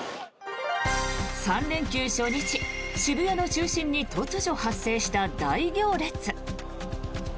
３連休初日渋谷の中心に突如発生した大行列。